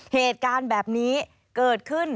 เหตุการณ์แบบนี้เกิดขึ้น